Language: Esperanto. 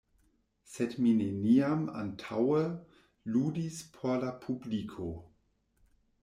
Sed mi neniam antaŭe ludis por la publiko.